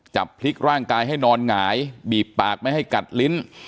จับพริกร่างกายให้นอนหงายบีบปากไม่ให้กัดลิ้น